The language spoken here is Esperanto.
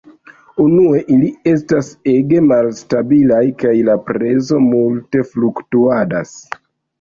Unue, ili estas ege malstabilaj, kaj la prezo multe fluktuadas.